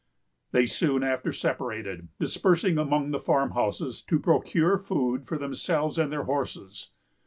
They soon after separated, dispersing among the farmhouses, to procure food for themselves and their horses.